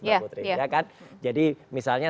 ya ya kan jadi misalnya